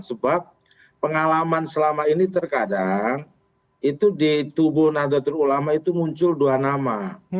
sebab pengalaman selama ini terkadang itu di tubuh nadatul ulama itu muncul dua nama